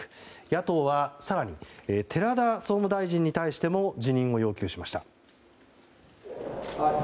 野党は更に寺田総務大臣に対しても辞任を要求しました。